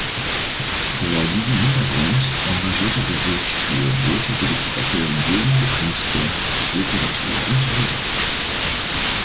Vor diesem Hintergrund engagierte sie sich für wohltätige Zwecke, bildende Künste, Literatur und Musik.